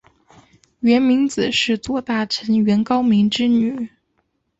源明子是左大臣源高明之女。